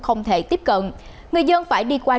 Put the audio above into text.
không thể tiếp cận người dân phải đi qua